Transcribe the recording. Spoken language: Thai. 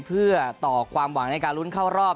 เพื่อต่อความหวังในการลุ้นเข้ารอบ